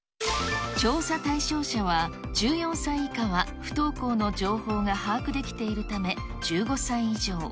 調査対象者は、１４歳以下は不登校の情報が把握できているため１５歳以上。